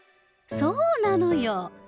そうなのよ。